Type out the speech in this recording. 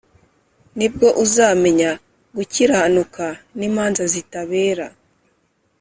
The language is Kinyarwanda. ni bwo uzamenya gukiranuka n’imanza zitabera,